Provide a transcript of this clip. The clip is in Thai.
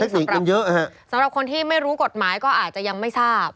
สำหรับเยอะสำหรับคนที่ไม่รู้กฎหมายก็อาจจะยังไม่ทราบ